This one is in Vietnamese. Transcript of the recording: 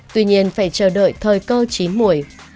tuy nhiên phải chờ đợi thời cơ chín mũi